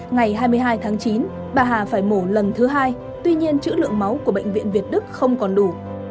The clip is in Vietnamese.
ngày hai mươi hai tháng chín bà hà phải mổ lần thứ hai tuy nhiên chữ lượng máu của bệnh viện việt đức không còn đủ